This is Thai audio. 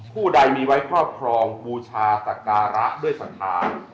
ผู้ใดมีไว้พ่อพรองบูชาตะการะด้วยสะทาน